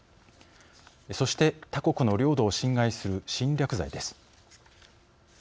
そして、他国の領土を侵害する侵略罪です。